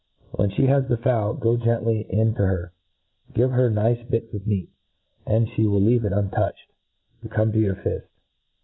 When (he has the fowl, go gently in to her j give her nice bits of meat ; and ihe will leave it untouched, to come. to your fill.